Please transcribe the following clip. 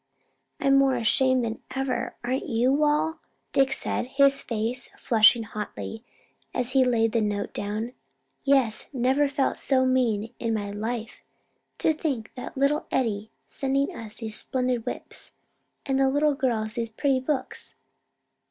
"I'm more ashamed than ever, aren't you, Wal?" Dick said, his face flushing hotly as he laid the note down. "Yes, never felt so mean in my life. To think of that little Ed sending us these splendid whips, and the little girls these pretty books.